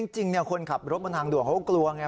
จริงคนขับรถบนทางด่วนเขาก็กลัวไง